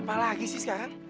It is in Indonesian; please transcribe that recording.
apa lagi sih sekarang